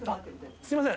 すいません